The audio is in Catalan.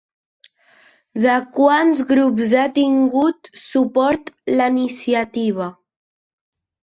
De quants grups ha tingut suport la iniciativa?